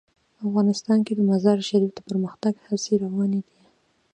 افغانستان کې د مزارشریف د پرمختګ هڅې روانې دي.